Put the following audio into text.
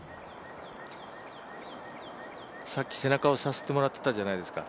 さっき背中をさすってもらっていたじゃないですか。